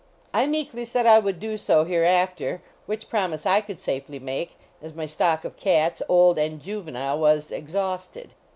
I meekly said I would do so, hereafter, which promise I could safely make, as my stock of cats, old and juvenile, was exhausted.